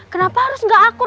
kenapa harus gak akur